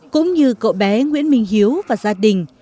cũng như cậu bé nguyễn minh hiếu và gia đình